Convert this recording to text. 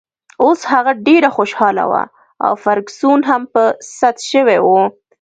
اوس هغه ډېره خوشحاله وه او فرګوسن هم په سد شوې وه.